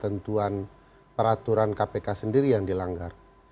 tentuan peraturan kpk sendiri yang dilanggar